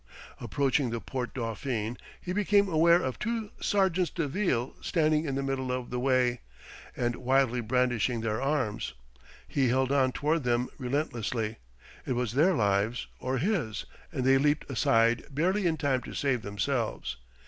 Approaching the Porte Dauphine he became aware of two sergents de ville standing in the middle of the way and wildly brandishing their arms. He held on toward them relentlessly it was their lives or his and they leaped aside barely in time to save themselves.